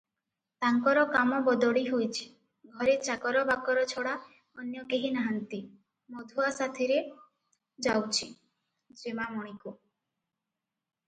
ତାଙ୍କର କାମ ବଦଳିହୋଇଚି- ଘରେ ଚାକର ବାକର ଛଡ଼ା ଅନ୍ୟ କେହି ନାହାନ୍ତି- ମଧୁଆ ସାଥିରେ ଯାଉଚି- ଯେମାମଣିକୁ